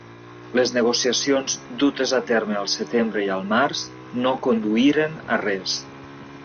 Les negociacions dutes a terme al setembre i al març no conduïren a res.